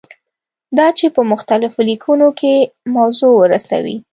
دا چې په مختلفو لیکنو کې موضوع ورسوي.